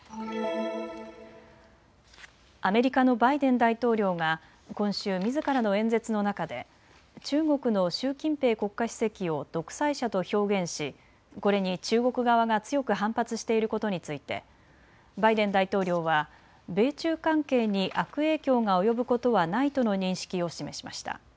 アメリカのバイデン大統領が今週、みずからの演説の中で中国の習近平国家主席を独裁者と表現し、これに中国側が強く反発していることについてバイデン大統領は米中関係に悪影響が及ぶことはないとの認識を示しました。